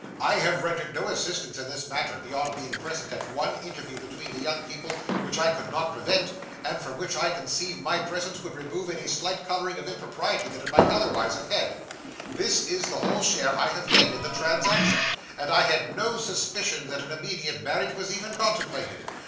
'I have rendered no assistance in this matter, beyond being present at one interview between the young people which I could not prevent, and from which I conceived my presence would remove any slight colouring of impropriety that it might otherwise have had; this is the whole share I have had in the transaction, and I had no suspicion that an immediate marriage was even contemplated.